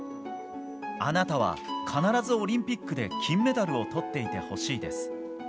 あなたは必ずオリンピックで金メダルをとっていてほしいです。